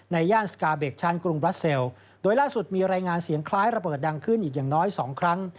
ย่านสกาเบคชั่นกรุงบราเซลโดยล่าสุดมีรายงานเสียงคล้ายระเบิดดังขึ้นอีกอย่างน้อยสองครั้ง